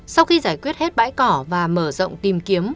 sau khi giải quyết hết bãi cỏ và mở rộng tìm kiếm